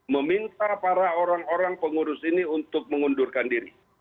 meminta para orang orang pengurus ini untuk mengundurkan diri